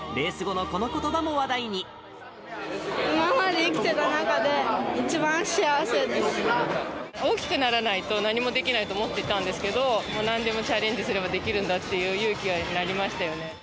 今まで生きてた中で、一番幸大きくならないと何もできないと思ってたんですけど、なんでもチャレンジすればできるんだっていう勇気になりましたよ